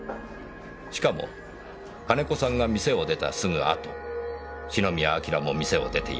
しかも金子さんが店を出たすぐ後篠宮彬も店を出ています。